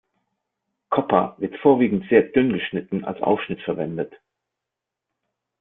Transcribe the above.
Coppa wird vorwiegend sehr dünn geschnitten als Aufschnitt verwendet.